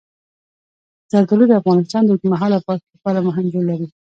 زردالو د افغانستان د اوږدمهاله پایښت لپاره مهم رول لري.